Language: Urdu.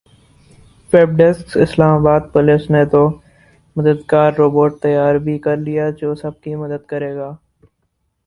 web desk Islamabad police نے تو مددگار روبوٹ تیار بھی کرلیا جو سب کی مدد کرے گا